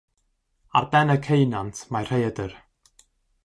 Ar ben y ceunant mae rhaeadr.